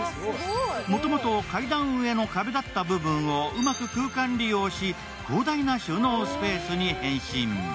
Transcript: もともと階段上の壁だった部分をうまく空間利用し広大な収納スペースに変身。